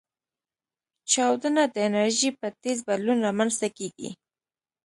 چاودنه د انرژۍ په تیز بدلون رامنځته کېږي.